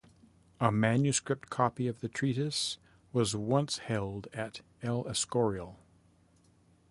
A manuscript copy of the treatise was once held at "El Escorial".